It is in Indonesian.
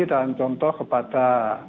dan contoh kepada